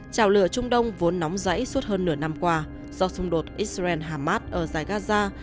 chào lửa trung đông vốn nóng dãy suốt hơn nửa năm qua do xung đột israel harmat ở dài gaza